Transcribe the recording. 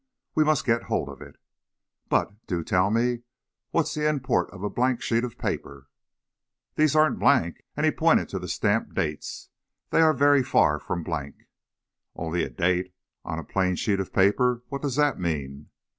"We must get hold of it!" "But, do tell me what's the import of a blank sheet of paper?" "These aren't blank," and he pointed to the stamped dates. "They are very far from blank!" "Only a date, on a plain sheet of paper, what does that mean?"